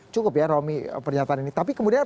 cukup ya romy pernyataan ini tapi kemudian